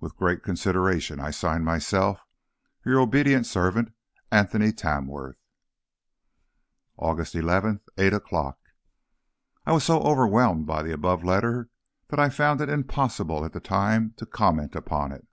With great consideration I sign myself, Your obedient servant, ANTHONY TAMWORTH. AUGUST 11, 8 o'clock. I was so overwhelmed by the above letter that I found it impossible at the time to comment upon it.